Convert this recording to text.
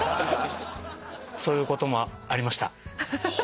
そういうこともありました。